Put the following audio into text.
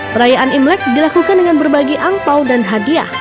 perayaan imlek dilakukan dengan berbagi angpao dan hadiah